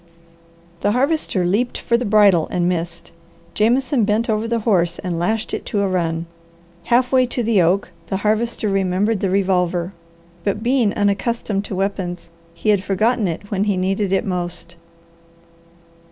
The Harvester leaped for the bridle and missed. Jameson bent over the horse and lashed it to a run. Half way to the oak the Harvester remembered the revolver, but being unaccustomed to weapons, he had forgotten it when he needed it most.